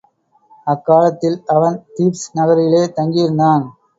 அக்காலத்தில் அவன் தீப்ஸ் நகரிலே தங்கியிருந்தான்.